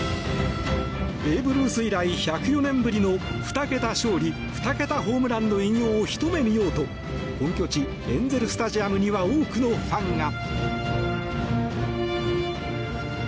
ベーブ・ルース以来１０４年ぶりの２桁勝利２桁ホームランの偉業をひと目見ようと本拠地エンゼル・スタジアムには多くのファンが。